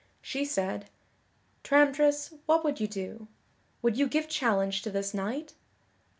She said: "Tramtris, what would you do? Would you give challenge to this knight?